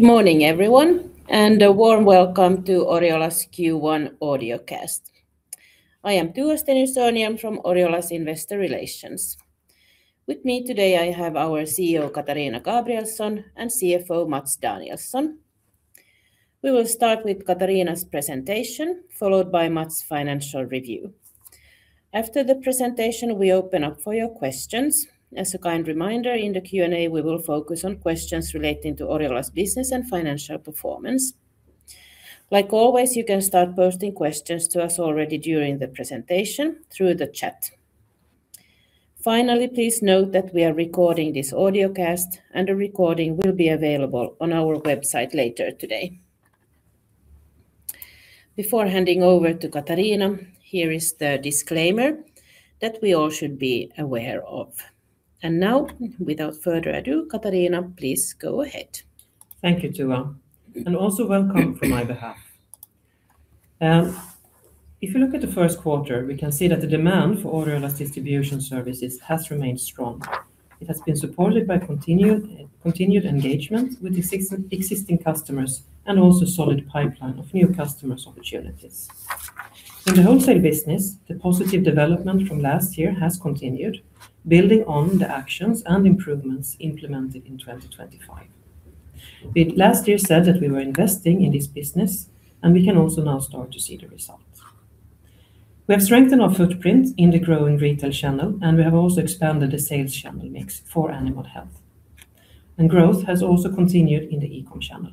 Morning everyone, and a warm welcome to Oriola's Q1 audiocast. I am Tua Stenius-Örnhjelm. I am from Oriola's Investor Relations. With me today I have our CEO, Katarina Gabrielson, and CFO, Mats Danielsson. We will start with Katarina's presentation, followed by Mats' financial review. After the presentation, we open up for your questions. As a kind reminder, in the Q&A, we will focus on questions relating to Oriola's business and financial performance. As always, you can start posting questions to us already during the presentation through the chat. Finally, please note that we are recording this audiocast, and a recording will be available on our website later today. Before handing over to Katarina, here is the disclaimer that we all should be aware of. Now, without further ado, Katarina, please go ahead. Thank you, Tua, and also welcome from my behalf. If you look at the first quarter, we can see that the demand for Oriola's distribution services has remained strong. It has been supported by continued engagement with existing customers and also solid pipeline of new customer opportunities. In the wholesale business, the positive development from last year has continued, building on the actions and improvements implemented in 2025. We last year said that we were investing in this business, and we can also now start to see the results. We have strengthened our footprint in the growing retail channel, and we have also expanded the sales channel mix for animal health. Growth has also continued in the eCom channel.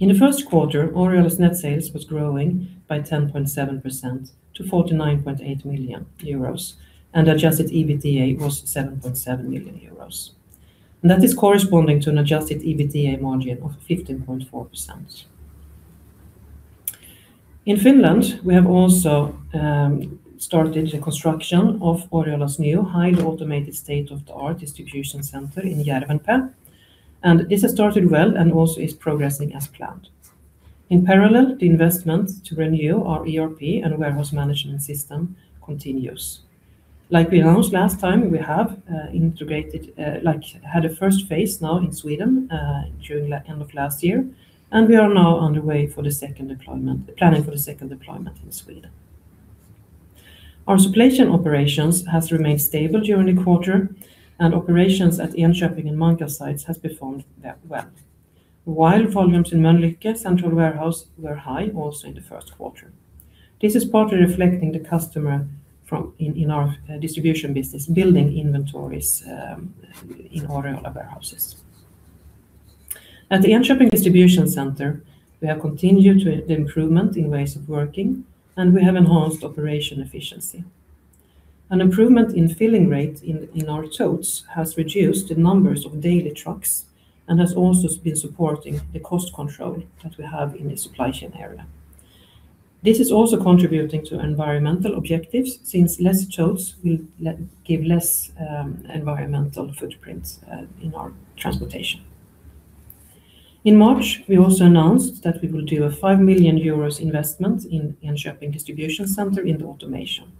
In the first quarter, Oriola's net sales was growing by 10.7% to 49.8 million euros, and adjusted EBITDA was 7.7 million euros. That is corresponding to an adjusted EBITDA margin of 15.4%. In Finland, we have also started the construction of Oriola's new highly automated state-of-the-art distribution center in Järvenpää, and this has started well and also is progressing as planned. In parallel, the investment to renew our ERP and warehouse management system continues. Like we announced last time, we have integrated, like had a first phase now in Sweden during the end of last year, and we are now on the way for planning for the second deployment in Sweden. Our supply chain operations has remained stable during the quarter, and operations at Enköping and Mankkaa sites has performed very well. While volumes in Mölnlycke central warehouse were high also in the first quarter. This is partly reflecting the customer in our distribution business, building inventories in Oriola warehouses. At the Enköping distribution center, we have continued the improvement in ways of working, and we have enhanced operational efficiency. An improvement in fill rate in our totes has reduced the numbers of daily trucks and has also been supporting the cost control that we have in the supply chain area. This is also contributing to environmental objectives since less totes will give less environmental footprints in our transportation. In March, we also announced that we will do a 5 million euros investment in Enköping distribution center in the automation.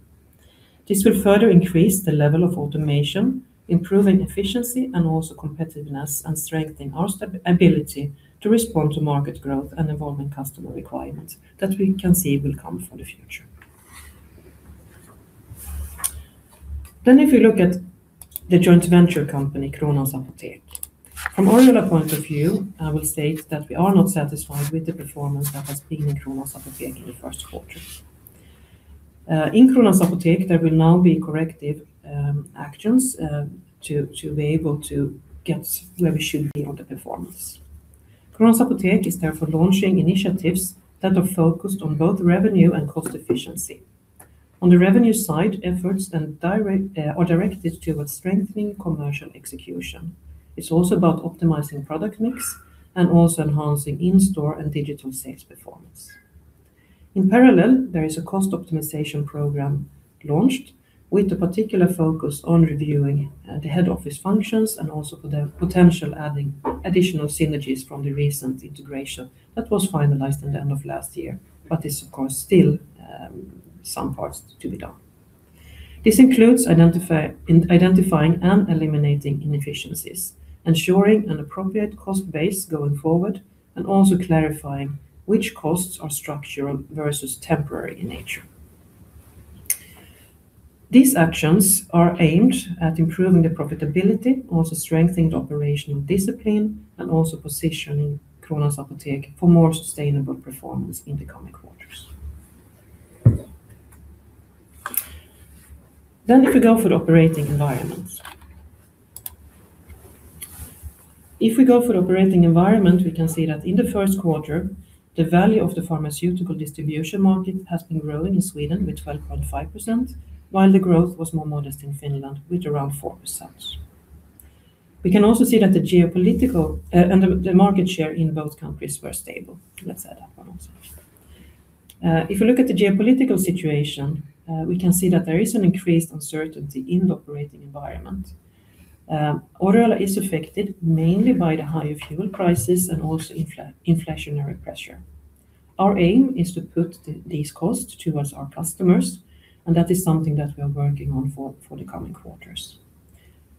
This will further increase the level of automation, improving efficiency and also competitiveness and strengthen our ability to respond to market growth and evolving customer requirements that we can see will come for the future. If you look at the joint venture company, Kronans Apotek, from Oriola point of view, I will state that we are not satisfied with the performance that has been in Kronans Apotek in the first quarter. In Kronans Apotek, there will now be corrective actions to be able to get where we should be on the performance. Kronans Apotek is therefore launching initiatives that are focused on both revenue and cost efficiency. On the revenue side, efforts are directed towards strengthening commercial execution. It's also about optimizing product mix and also enhancing in-store and digital sales performance. In parallel, there is a cost optimization program launched with a particular focus on reviewing the head office functions and also for the potential adding additional synergies from the recent integration that was finalized at the end of last year. It is, of course, still some parts to be done. This includes identifying and eliminating inefficiencies, ensuring an appropriate cost base going forward, and also clarifying which costs are structural versus temporary in nature. These actions are aimed at improving the profitability, also strengthening the operational discipline, and also positioning Kronans Apotek for more sustainable performance in the coming quarters. If we go for operating environment, we can see that in the first quarter, the value of the pharmaceutical distribution market has been growing in Sweden with 12.5%, while the growth was more modest in Finland with around 4%. We can also see that the market share in both countries were stable. Let's add that one also. If you look at the geopolitical situation, we can see that there is an increased uncertainty in the operating environment. Oriola is affected mainly by the higher fuel prices and also inflationary pressure. Our aim is to put these costs towards our customers, and that is something that we are working on for the coming quarters.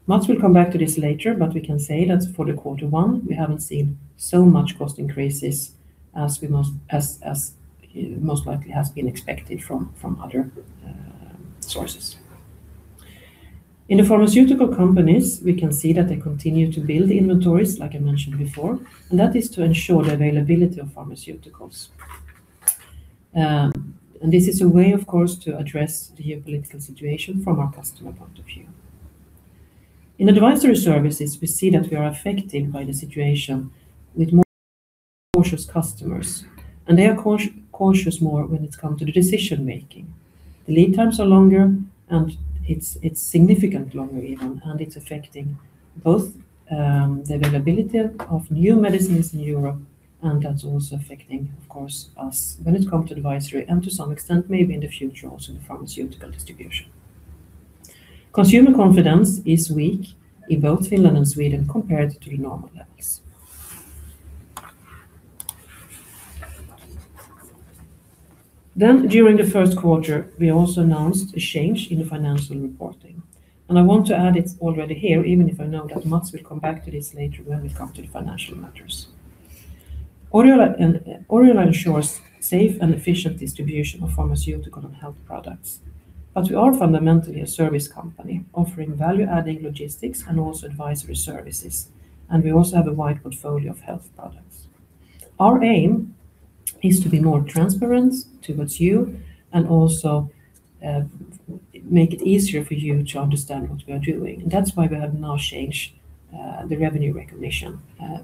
Mats will come back to this later, but we can say that for quarter one we haven't seen so much cost increases as most likely has been expected from other sources. In the pharmaceutical companies, we can see that they continue to build inventories, like I mentioned before, and that is to ensure the availability of pharmaceuticals. This is a way of course to address the geopolitical situation from our customer point of view. In advisory services, we see that we are affected by the situation with more cautious customers, and they are more cautious when it comes to the decision-making. The lead times are longer, and it's significantly longer even, and it's affecting both the availability of new medicines in Europe, and that's also affecting of course us when it comes to advisory and to some extent maybe in the future also in pharmaceutical distribution. Consumer confidence is weak in both Finland and Sweden compared to the normal levels. During the first quarter, we also announced a change in the financial reporting, and I want to add it already here even if I know that Mats will come back to this later when we come to the financial matters. Oriola ensures safe and efficient distribution of pharmaceutical and health products, but we are fundamentally a service company offering value-adding logistics and also advisory services, and we also have a wide portfolio of health products. Our aim is to be more transparent towards you and also make it easier for you to understand what we are doing. That's why we have now changed the revenue recognition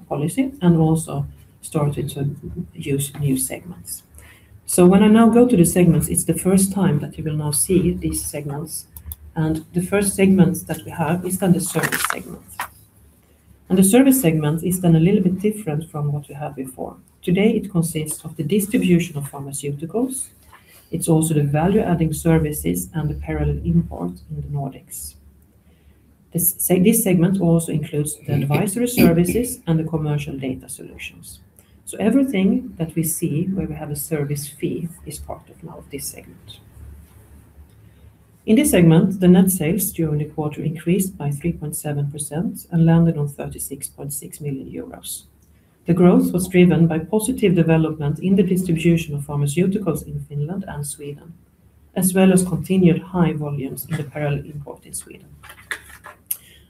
policy and also started to use new segments. When I now go to the segments, it's the first time that you will now see these segments, and the first segments that we have is then the Service segment. The Service segment is then a little bit different from what we had before. Today, it consists of the distribution of pharmaceuticals. It's also the value-adding services and the parallel import in the Nordics. This segment also includes the advisory services and the commercial data solutions. Everything that we see where we have a service fee is part of now this segment. In this segment, the net sales during the quarter increased by 3.7% and landed on 36.6 million euros. The growth was driven by positive development in the distribution of pharmaceuticals in Finland and Sweden, as well as continued high volumes in the parallel import in Sweden.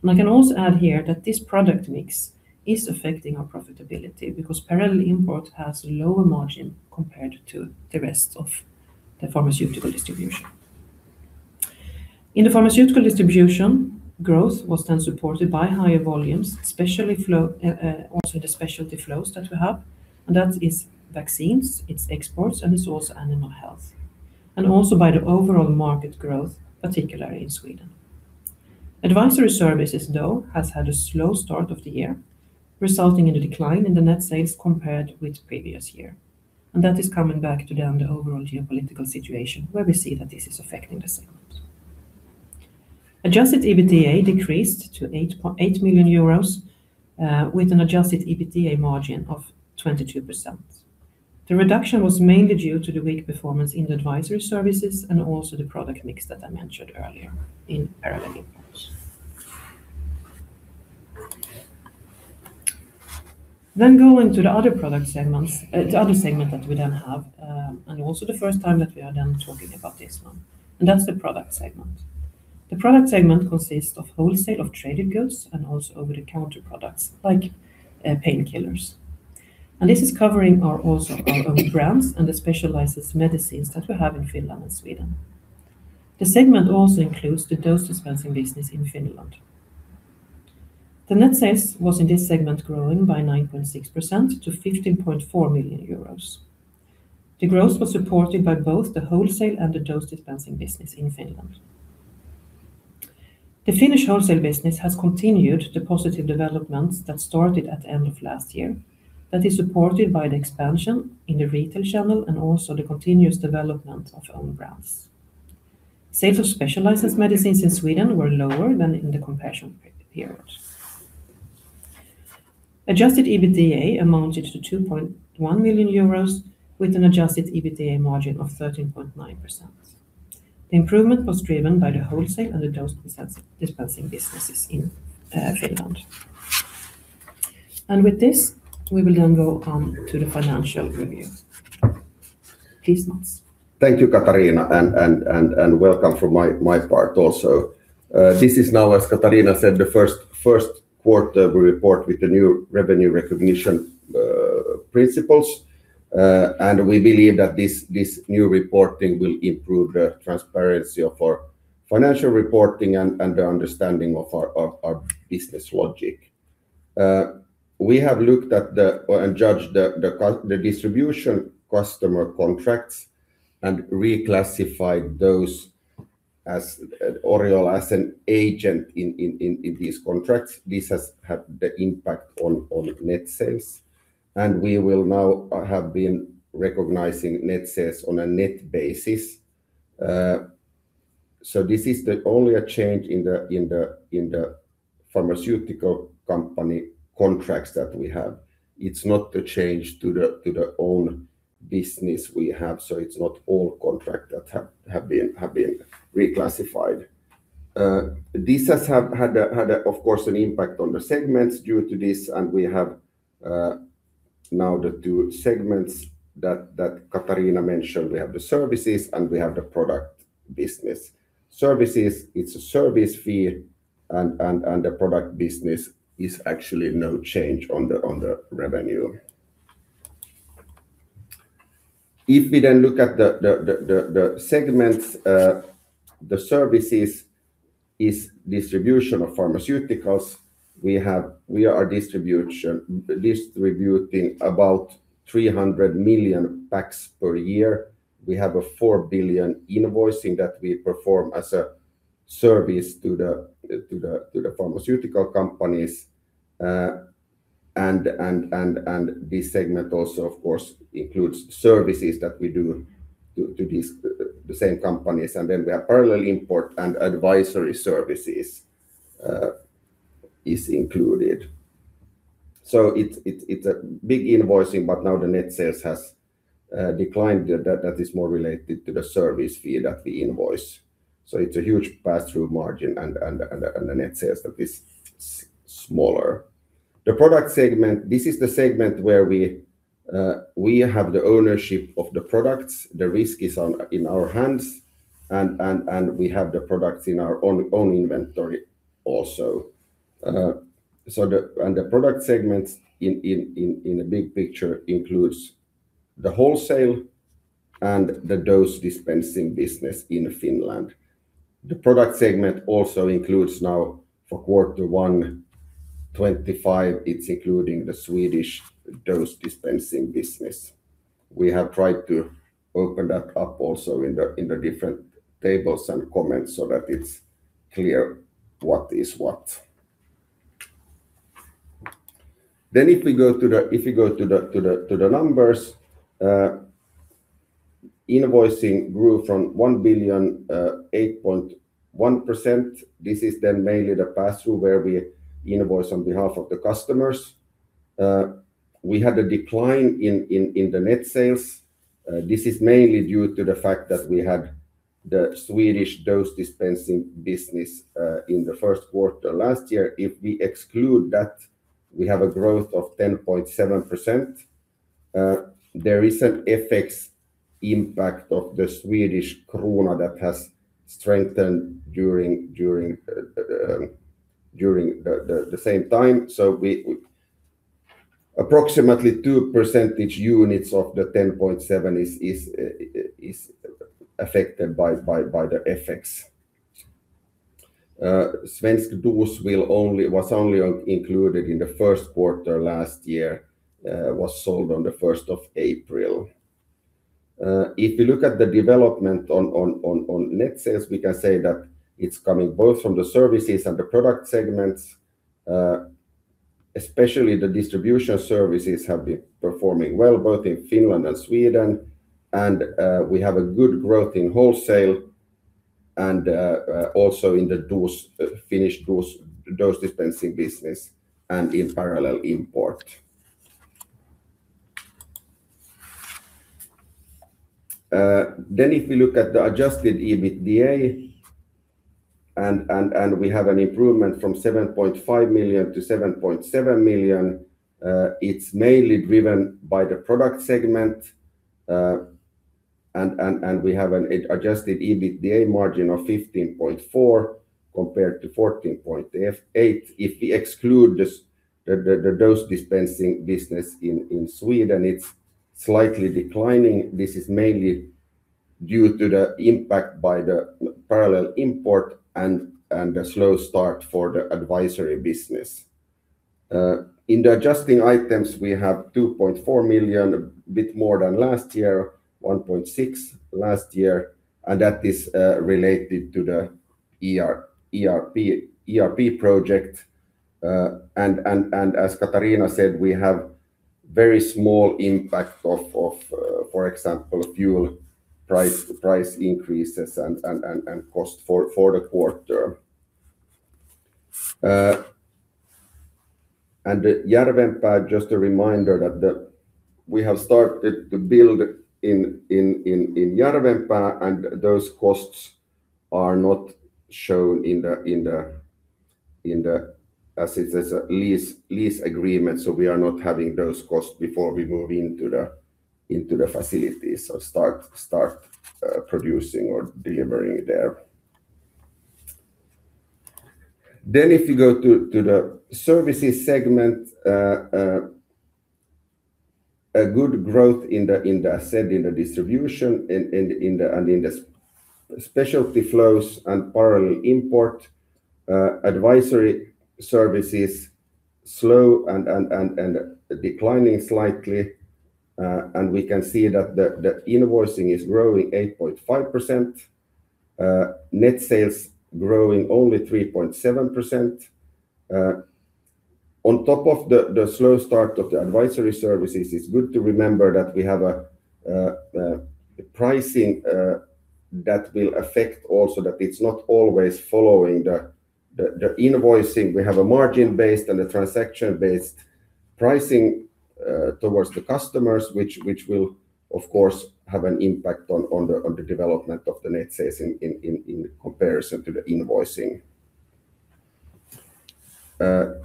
I can also add here that this product mix is affecting our profitability because parallel import has lower margin compared to the rest of the pharmaceutical distribution. In the pharmaceutical distribution, growth was then supported by higher volumes, especially flow, also the specialty flows that we have, and that is vaccines, it's exports, and it's also animal health, and also by the overall market growth, particularly in Sweden. Advisory services though has had a slow start of the year, resulting in a decline in the net sales compared with previous year, and that is coming back to then the overall geopolitical situation where we see that this is affecting the segment. Adjusted EBITDA decreased to 8.8 million euros with an adjusted EBITDA margin of 22%. The reduction was mainly due to the weak performance in the advisory services and also the product mix that I mentioned earlier in parallel imports. Then going to the other Product segments, the other segment that we then have, and also the first time that we are then talking about this one, and that's the Product segment. The Product segment consists of wholesale of traded goods and also over-the-counter products like, painkillers, and this is covering also our own brands and the specialized medicines that we have in Finland and Sweden. The segment also includes the dose dispensing business in Finland. The net sales was in this segment growing by 9.6% to 15.4 million euros. The growth was supported by both the wholesale and the dose dispensing business in Finland. The Finnish wholesale business has continued the positive developments that started at the end of last year that is supported by the expansion in the retail channel and also the continuous development of own brands. Sales of specialized medicines in Sweden were lower than in the comparison period. Adjusted EBITDA amounted to 2.1 million euros with an adjusted EBITDA margin of 13.9%. The improvement was driven by the wholesale and the dose dispensing businesses in Finland. With this, we will then go to the financial review. Please, Mats. Thank you, Katarina, and welcome from my part also. This is now, as Katarina said, the first quarter we report with the new revenue recognition principles, and we believe that this new reporting will improve the transparency of our financial reporting and the understanding of our business logic. We have looked at the distribution customer contracts and reclassified those as Oriola as an agent in these contracts. This has had the impact on net sales, and we will now have been recognizing net sales on a net basis. This is the only change in the pharmaceutical company contracts that we have. It's not the change to the own business we have, so it's not all contract that have been reclassified. This has had, of course, an impact on the segments due to this, and we have now the two segments that Katarina mentioned. We have the Services, and we have the Product business services. It's a service fee and the product business is actually no change on the revenue. If we then look at the segments, the Services is distribution of pharmaceuticals. We are distributing about 300 million packs per year. We have a 4 billion invoicing that we perform as a service to the pharmaceutical companies. This segment also, of course, includes services that we do to these same companies. We have parallel import and advisory services is included. It's a big invoicing, but now the net sales has declined. That is more related to the service fee that we invoice. It's a huge pass-through margin and the net sales that is smaller. The Product segment, this is the segment where we have the ownership of the products. The risk is in our hands and we have the products in our own inventory also. The Product segments in the big picture includes the wholesale and the dose dispensing business in Finland. The Product segment also includes now for Q1 2025, it's including the Swedish dose dispensing business. We have tried to open that up also in the different tables and comments so that it's clear what is what. If you go to the numbers, invoicing grew from 1 billion 8.1%. This is then mainly the pass-through where we invoice on behalf of the customers. We had a decline in the net sales. This is mainly due to the fact that we had the Swedish dose dispensing business in the first quarter last year. If we exclude that, we have a growth of 10.7%. There is an FX impact of the Swedish krona that has strengthened during the same time. Approximately 2 percentage units of the 10.7 is affected by the FX. Svensk dos was only included in the first quarter last year, was sold on the 1st of April. If you look at the development on net sales, we can say that it's coming both from the Services and the Product segments. Especially the distribution services have been performing well both in Finland and Sweden. We have a good growth in wholesale and also in the Finnish dose dispensing business and in parallel import. If we look at the adjusted EBITDA and we have an improvement from 7.5 million to 7.7 million, it's mainly driven by the Product segment. We have an adjusted EBITDA margin of 15.4% compared to 14.8%. If we exclude the dose dispensing business in Sweden, it's slightly declining. This is mainly due to the impact by the parallel import and the slow start for the advisory business. In the adjusting items, we have 2.4 million, a bit more than last year, 1.6 million last year, and that is related to the ERP project. As Katarina said, we have very small impact of, for example, fuel price increases and costs for the quarter. Järvenpää, just a reminder that we have started to build in Järvenpää, and those costs are not shown in the assets as a lease agreement, so we are not having those costs before we move into the facility. Start producing or delivering there. If you go to the Services segment, a good growth in the distribution and in the specialty flows and parallel import. Advisory services slow and declining slightly. We can see that the invoicing is growing 8.5%. Net sales growing only 3.7%. On top of the slow start of the advisory services, it's good to remember that we have a pricing that will affect also that it's not always following the invoicing. We have a margin-based and a transaction-based pricing towards the customers, which will of course have an impact on the development of the net sales in comparison to the invoicing.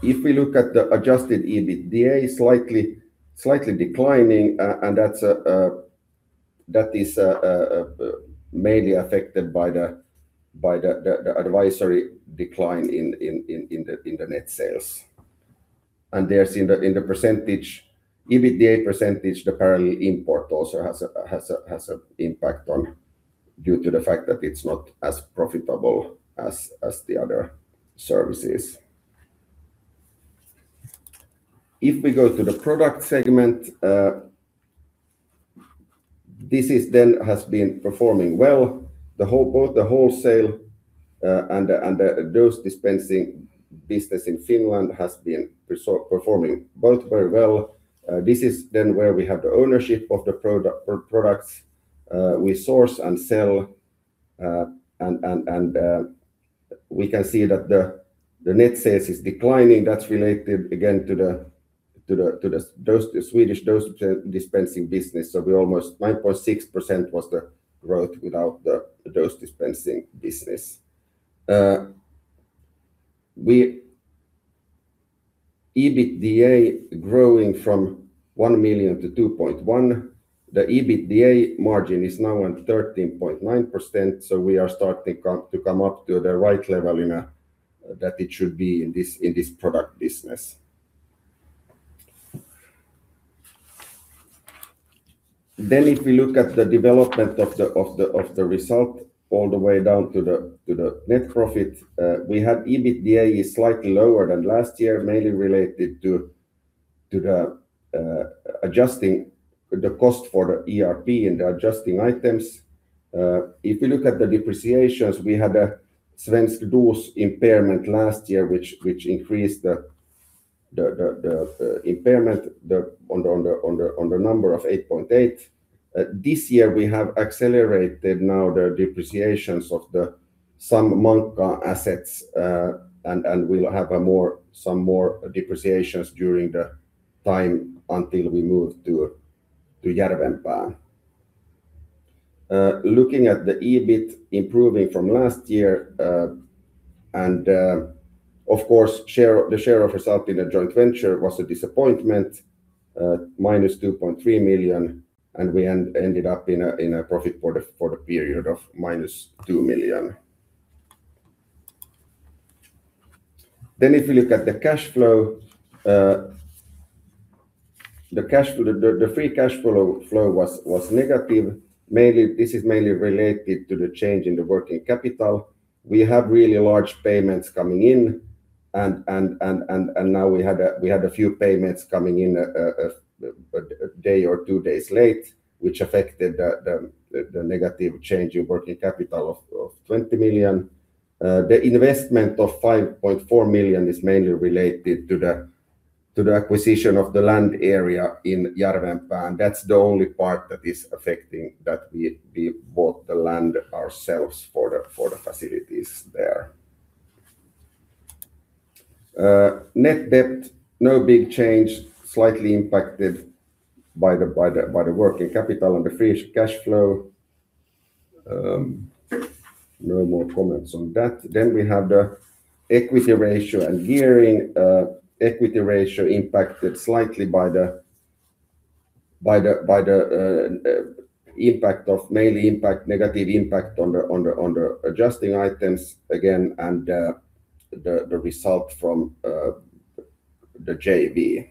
If we look at the adjusted EBITDA is slightly declining, and that's mainly affected by the advisory decline in the net sales. In the EBITDA percentage, the parallel import also has an impact on... Due to the fact that it's not as profitable as the other services. If we go to the Product segment, this then has been performing well. Both the wholesale and the dose dispensing business in Finland has been performing both very well. This is then where we have the ownership of the products we source and sell. We can see that the net sales is declining. That's related again to the Swedish dose dispensing business. Almost 9.6% was the growth without the dose dispensing business. EBITDA growing from 1 million to 2.1 million. The EBITDA margin is now at 13.9%, so we are starting to come up to the right level that it should be in this product business. If we look at the development of the result all the way down to the net profit, we have EBITDA is slightly lower than last year, mainly related to adjusting the cost for the ERP and the adjusting items. If you look at the depreciations, we had a Svensk dos impairment last year, which increased the impairment to 8.8. This year we have accelerated the depreciations of some Mankkaa assets, and we'll have some more depreciations during the time until we move to Järvenpää. Looking at the EBIT improving from last year, and of course, the share of result in a joint venture was a disappointment, -2.3 million, and we ended up in a profit for the period of -2 million. If you look at the cash flow, the free cash flow was negative. This is mainly related to the change in the working capital. We have really large payments coming in and now we had a few payments coming in a day or two days late, which affected the negative change in working capital of 20 million. The investment of 5.4 million is mainly related to the acquisition of the land area in Järvenpää. That's the only part that is affecting that we bought the land ourselves for the facilities there. Net debt, no big change, slightly impacted by the working capital and the free cash flow. No more comments on that. We have the equity ratio and gearing. Equity ratio impacted slightly by the impact of... Mainly negative impact on the adjusting items again and the result from the JV.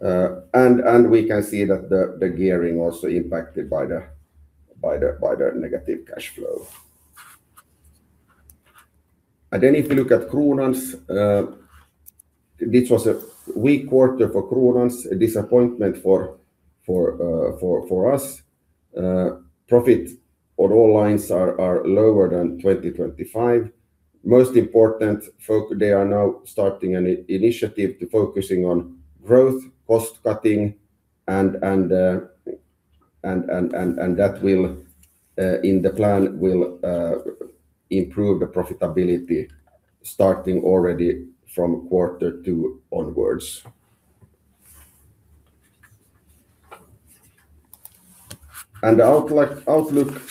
We can see that the gearing also impacted by the negative cash flow. If you look at Kronans, this was a weak quarter for Kronans, a disappointment for us. Profit on all lines are lower than 2025. Most important, they are now starting an initiative to focus on growth, cost-cutting and that will, in the plan, improve the profitability starting already from quarter two onwards. The outlook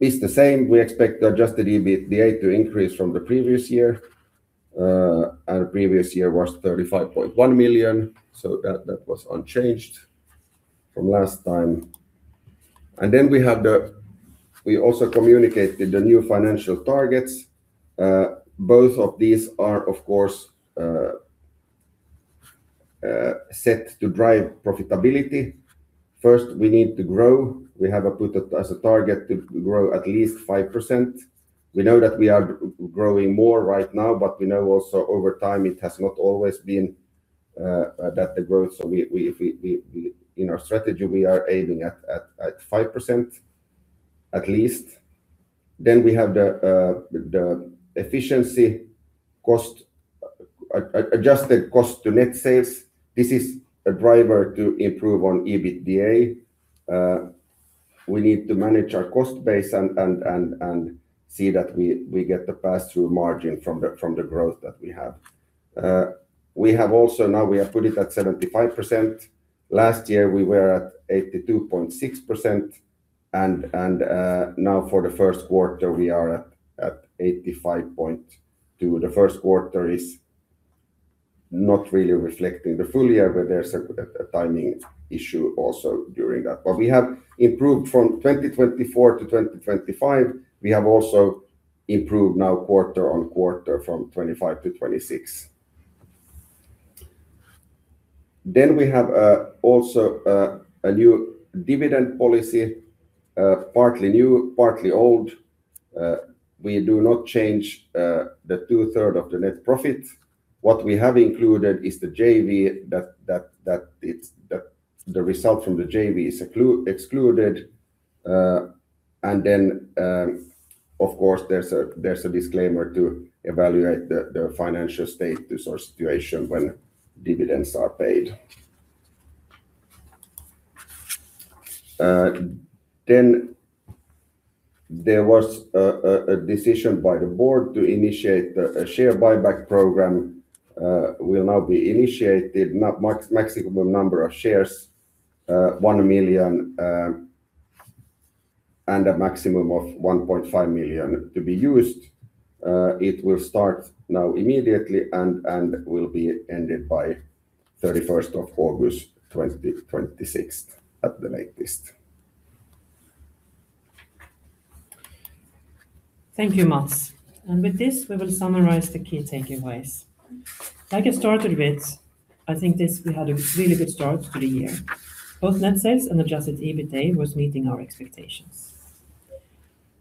is the same. We expect the adjusted EBITDA to increase from the previous year. Our previous year was 35.1 million, so that was unchanged from last time. We also communicated the new financial targets. Both of these are of course set to drive profitability. First, we need to grow. We put as a target to grow at least 5%. We know that we are growing more right now, but we know also over time it has not always been that the growth. In our strategy, we are aiming at 5% at least. We have the adjusted cost to net sales. This is a driver to improve on EBITDA. We need to manage our cost base and see that we get the pass-through margin from the growth that we have. We have also now put it at 75%. Last year we were at 82.6%. Now for the first quarter we are at 85.2%. The first quarter is not really reflecting the full year, but there's a timing issue also during that. We have improved from 2024 to 2025. We have also improved now quarter-on-quarter from 2025 to 2026. We have also a new dividend policy, partly new, partly old. We do not change the 2/3 of the net profit. What we have included is that the result from the JV is excluded. Of course there's a disclaimer to evaluate the financial status or situation when dividends are paid. There was a decision by the board to initiate a share buyback program, will now be initiated. Maximum number of shares, 1 million, and a maximum of 1.5 million to be used. It will start now immediately and will be ended by 31st of August 2026 at the latest. Thank you, Mats. With this we will summarize the key takeaways. Like I started with, I think this, we had a really good start to the year. Both net sales and adjusted EBITDA was meeting our expectations.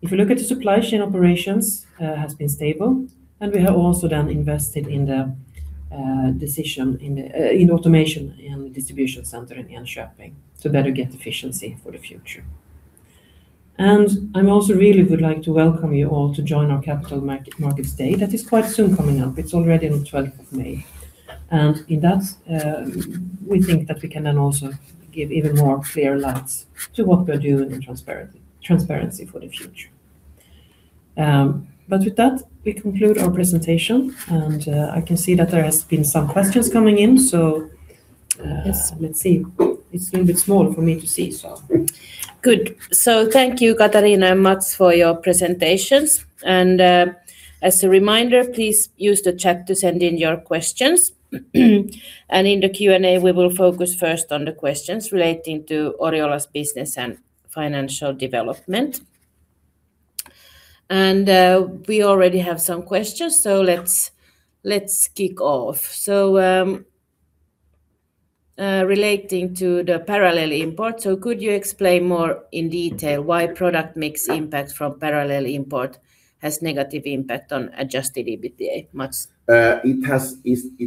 If you look at the supply chain operations, has been stable and we have also then invested in the decision in automation and distribution center in Enköping to better get efficiency for the future. I also really would like to welcome you all to join our Capital Markets Day that is quite soon coming up. It's already on the 12th of May. In that, we think that we can then also give even more clear lights to what we are doing and transparency for the future. With that, we conclude our presentation and I can see that there has been some questions coming in. Yes, let's see. It's a little bit small for me to see, so. Good. Thank you Katarina and Mats for your presentations. As a reminder, please use the chat to send in your questions. In the Q&A we will focus first on the questions relating to Oriola's business and financial development. We already have some questions. Let's kick off. Relating to the parallel import, could you explain more in detail why product mix impact from parallel import has negative impact on adjusted EBITDA? Mats. It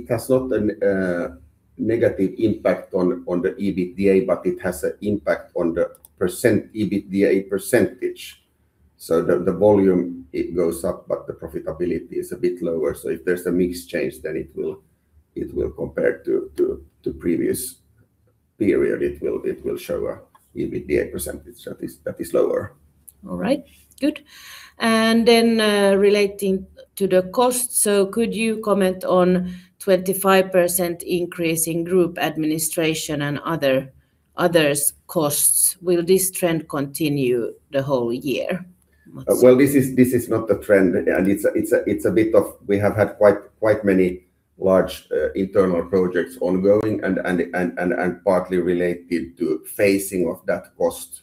has not a negative impact on the EBITDA, but it has an impact on the EBITDA percentage. The volume goes up, but the profitability is a bit lower. If there's a mix change then it will compare to previous period it will show an EBITDA percentage that is lower. All right. Good. Relating to the cost, so could you comment on 25% increase in group administration and other costs? Will this trend continue the whole year, Mats? Well, this is not a trend. We have had quite many large internal projects ongoing and partly related to phasing of that cost.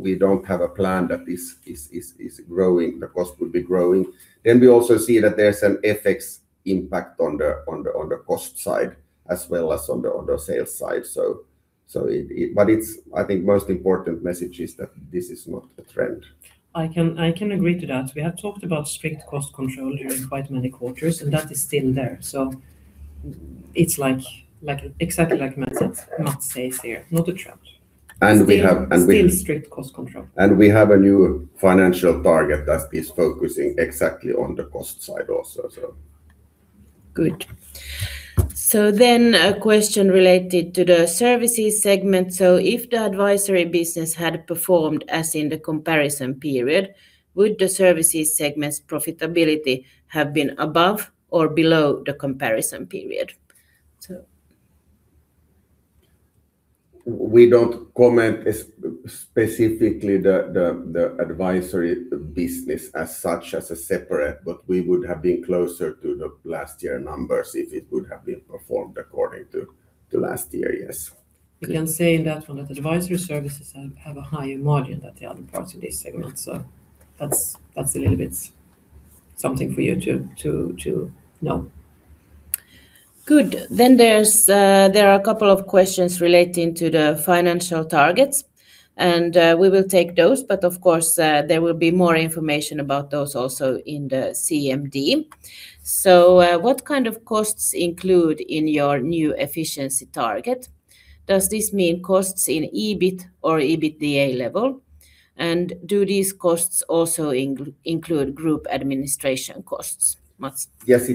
We don't have a plan that this is growing. The cost will not be growing. We also see that there's an FX impact on the cost side as well as on the sales side. I think the most important message is that this is not a trend. I can agree to that. We have talked about strict cost control during quite many quarters, and that is still there. It's like exactly like Mats said, Mats says there, not a trend. And we have, and we- Still strict cost control. We have a new financial target that is focusing exactly on the cost side also, so. Good. A question related to the Services segment. If the advisory business had performed as in the comparison period, would the Services segment's profitability have been above or below the comparison period? We don't comment specifically the advisory business as such as a separate, but we would have been closer to the last year numbers if it would have been performed according to last year, yes. We can say that one of the advisory services have a higher margin than the other parts of this segment. That's a little bit something for you to know. Good. There's there are a couple of questions relating to the financial targets, and we will take those, of course, there will be more information about those also in the CMD. What kind of costs include in your new efficiency target? Does this mean costs in EBIT or EBITDA level? And do these costs also include group administration costs? Mats? Yes,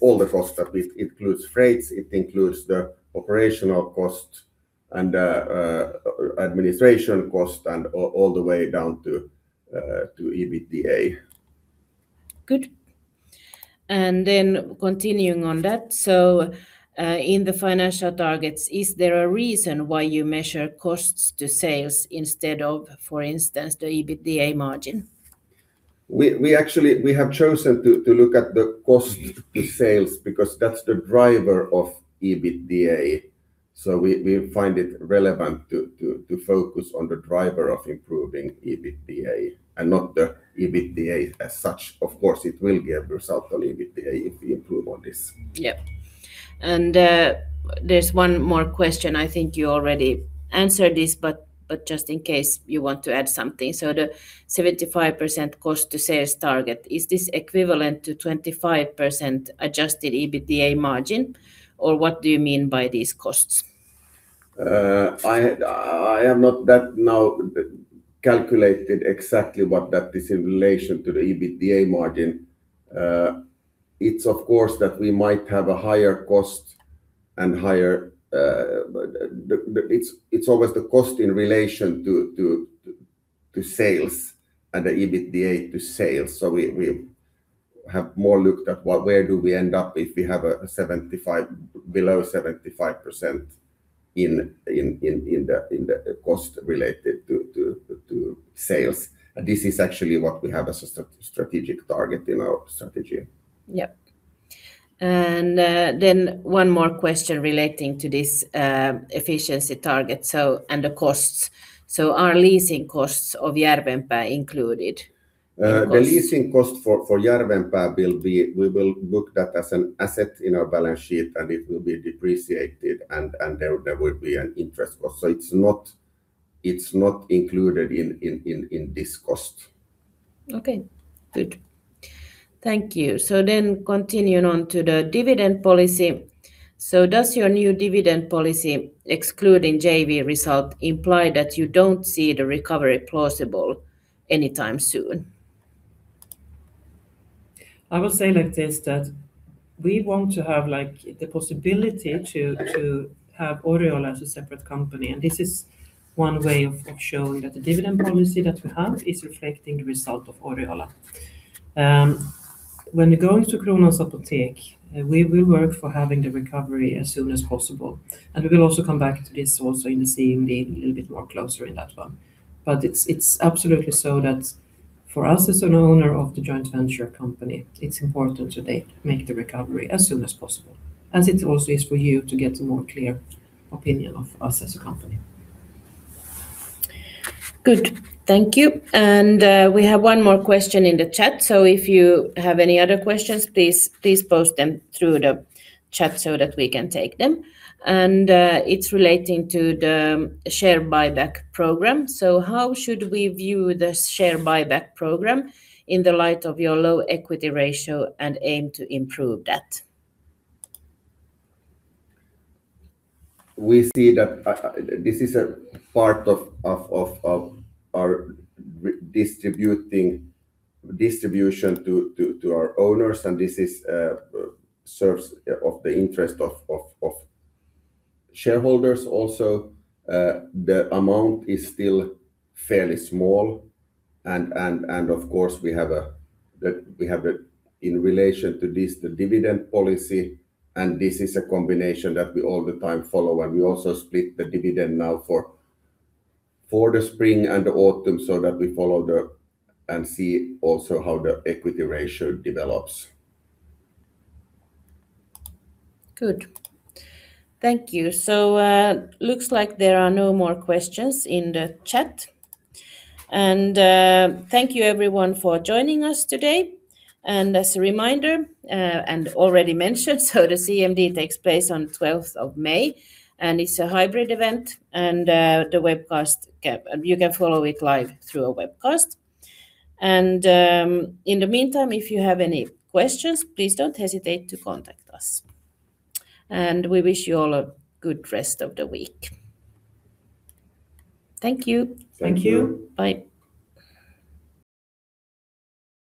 it includes freights, it includes the operational costs and administration cost and all the way down to EBITDA. Good. Continuing on that, so, in the financial targets, is there a reason why you measure costs to sales instead of, for instance, the EBITDA margin? We actually have chosen to look at the cost to sales because that's the driver of EBITDA, so we find it relevant to focus on the driver of improving EBITDA and not the EBITDA as such. Of course, it will give result on EBITDA if we improve on this. Yeah. There's one more question. I think you already answered this, but just in case you want to add something. The 75% cost to sales target, is this equivalent to 25% adjusted EBITDA margin, or what do you mean by these costs? I haven't calculated exactly what that is in relation to the EBITDA margin. It's of course that we might have a higher cost and higher. It's always the cost in relation to sales and the EBITDA to sales. We have more or less looked at where we end up if we have below 75% in the cost related to sales. This is actually what we have as a strategic target in our strategy. Yeah. Then one more question relating to this efficiency target and the costs. Are leasing costs of Järvenpää included in costs? The leasing cost for Järvenpää will be, we will book that as an asset in our balance sheet, and it will be depreciated, and there will be an interest cost. It's not included in this cost. Okay. Good. Thank you. Continuing on to the dividend policy. Does your new dividend policy excluding JV result imply that you don't see the recovery plausible anytime soon? I will say like this, that we want to have, like, the possibility to have Oriola as a separate company, and this is one way of showing that the dividend policy that we have is reflecting the result of Oriola. When going to Kronans Apotek, we will work for having the recovery as soon as possible, and we will also come back to this also in the CMD a little bit more closer in that one. It's absolutely so that for us as an owner of the joint venture company, it's important to make the recovery as soon as possible, as it also is for you to get a more clear opinion of us as a company. Good. Thank you. We have one more question in the chat, so if you have any other questions, please post them through the chat so that we can take them. It's relating to the share buyback program. How should we view the share buyback program in the light of your low equity ratio and aim to improve that? We see that this is a part of our distribution to our owners, and this serves the interest of shareholders also. The amount is still fairly small and of course we have the dividend policy in relation to this, and this is a combination that we all the time follow. We also split the dividend now for the spring and the autumn so that we follow and see also how the equity ratio develops. Good. Thank you. Looks like there are no more questions in the chat. Thank you everyone for joining us today. As a reminder, and already mentioned, so the CMD takes place on 12th of May, and it's a hybrid event, and you can follow it live through a webcast. In the meantime, if you have any questions, please don't hesitate to contact us. We wish you all a good rest of the week. Thank you. Thank you. Thank you. Bye.